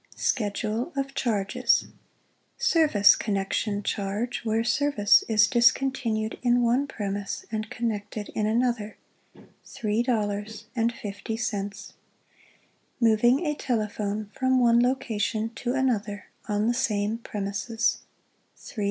SCHEDULE OF CHARGES Service connection charge where service is discontinued in one premise and connected in another _$ 3.50 Moving a telephone from one location to another on the same premises _$ 3.